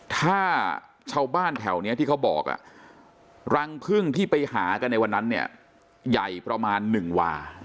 ถ้าชาวบ้านแถวนี้ที่เขาบอกรังพึ่งที่ไปหากันในวันนั้นเนี่ยใหญ่ประมาณ๑วา